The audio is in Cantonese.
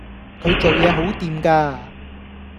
佢做嘢好掂㗎